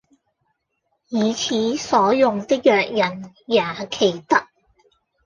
以此所用的藥引也奇特：